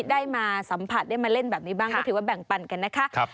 ได้มาสัมผัสได้มาเล่นแบบนี้บ้างก็ถือว่าแบ่งปันกันนะคะ